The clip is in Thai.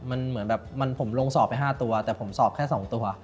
มันเหมือนแบบผมลงสอบไป๕ตัวแต่ผมสอบแค่๒ตัว